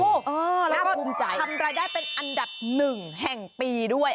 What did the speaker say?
โอ้โหแล้วคุ้มใจแล้วก็ทำรายได้เป็นอันดับหนึ่งแห่งปีด้วย